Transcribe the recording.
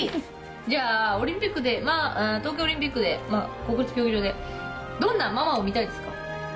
じゃオリンピックで東京オリンピックで国立競技場でどんなママを見たいですか？